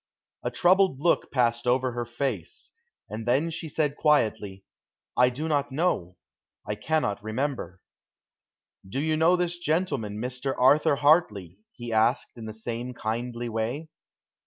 A troubled look passed over her face, and then she said quietly, "I do not know. I cannot remember." "Do you know this gentleman, Mr. Arthur Hartley?" he asked in the same kindly way.